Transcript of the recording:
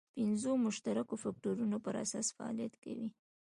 پنځو مشترکو فکټورونو پر اساس فعالیت کوي.